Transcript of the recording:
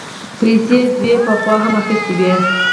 پيسې دوی پخوا هم اخيستې وې.